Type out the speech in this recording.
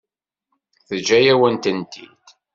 Teǧǧa-yawen-tent-id?